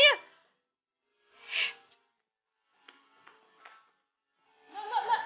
mbak mbak mbak